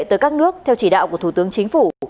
tới các nước theo chỉ đạo của thủ tướng chính phủ